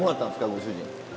ご主人。